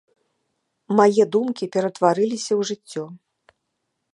Мае думкі ператварыліся ў жыццё.